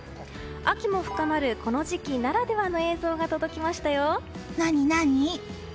秋も深まるこの時期ならではの映像が届きましたよ。